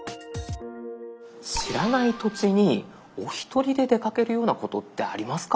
知らない土地にお一人で出かけるようなことってありますか？